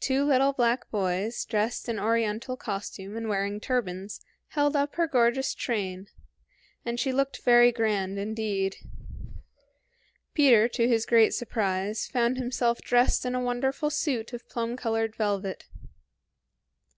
Two little black boys, dressed in oriental costume and wearing turbans, held up her gorgeous train, and she looked very grand indeed. Peter, to his great surprise, found himself dressed in a wonderful suit of plum colored velvet.